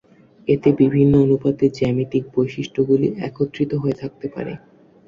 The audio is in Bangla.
এতে বিভিন্ন অনুপাতে জ্যামিতিক বৈশিষ্ট্যগুলি একত্রিত হয়ে থাকতে পারে।